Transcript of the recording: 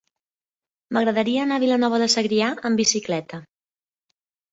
M'agradaria anar a Vilanova de Segrià amb bicicleta.